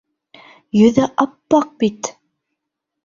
Йөҙө ап-аҡ бит!